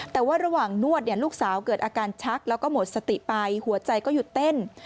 แต่ว่าระหว่างนวดลูกสาวเกิดอาการชักแล้วก็หมดสติไปหัวใจก็หยุดเต้น